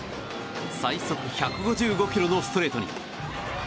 最速１５５キロのストレートに。